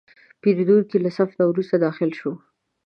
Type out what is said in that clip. پیرودونکی له صف نه وروسته داخل شو.